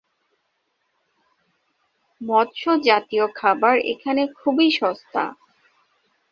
মৎস জাতীয় খাবার এখানে খুবই সস্তা।